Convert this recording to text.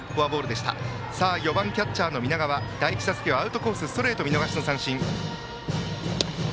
そして４番キャッチャーの南川第１打席はアウトコースのストレート、見逃し三振。